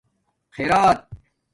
خِرات